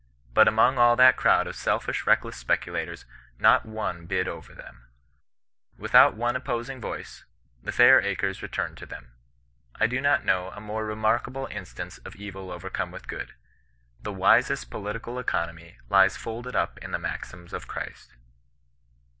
But among all that crowd of selfish reckless spe culators, not one hid over them I Without one opposing voice, the &ir acres returned to them ! I do not know a more remarkable instance of evil overcome with good. The wisest political economy lies folded up in the maxims of Christ."